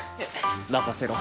まかせろ！